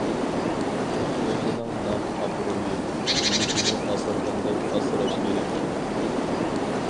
ئۆزىنىڭ نام-ئابرۇيى، مۈلكىنى ئاسرىغاندەك ئاسراش كېرەك.